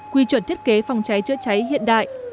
quy chuẩn thiết kế phòng cháy chữa cháy